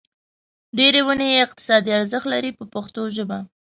ډېرې ونې یې اقتصادي ارزښت لري په پښتو ژبه.